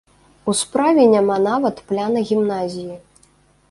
У справе няма нават плана гімназіі.